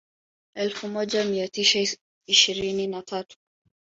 Elfu elfu moja mia tisa ishirini na tatu